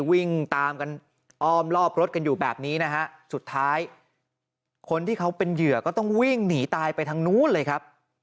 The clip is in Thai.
วิ่งตามกันอ้อมรอบรถกันอยู่แบบนี้นะฮะสุดท้ายคนที่เขาเป็นเหยื่อก็ต้องวิ่งหนีตายไปทางนู้นเลยครับ